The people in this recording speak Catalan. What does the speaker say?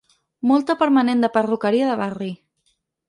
Molta permanent de perruqueria de barri.